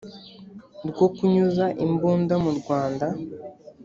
rwo kunyuza imbunda mu rwanda